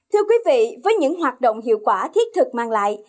thưa quý vị với những hoạt động hiệu quả thiết thực mang lại